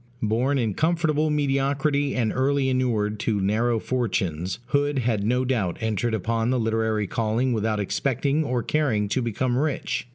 Born in comfortable mediocrity, and early inured to narrow fortunes, Hood had no doubt entered upon the literary calling without expecting or caring to become rich.